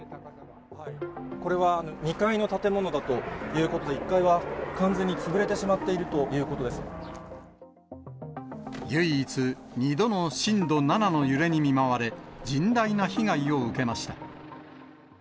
これは２階の建物だということで、１階は完全に潰れてしまっ唯一、２度の震度７の揺れに見舞われ、甚大な被害を受けました。